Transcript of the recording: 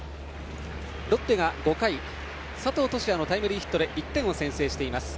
ロッテが５回佐藤都志也のタイムリーヒットで１点を先制しています。